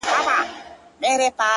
شېرينې ستا په تصور کي چي تصوير ورک دی!